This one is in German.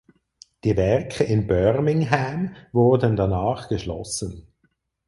Die Werke in Birmingham wurden danach geschlossen.